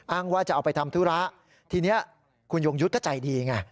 ว่าจะเอาไปทำธุระทีนี้คุณยงยุทธ์ก็ใจดีไง